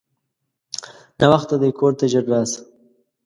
ناوخته دی کورته ژر راسه!